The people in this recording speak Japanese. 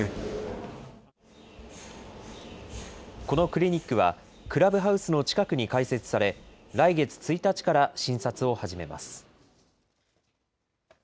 このクリニックはクラブハウスの近くに開設され、来月１日から診察を始めます。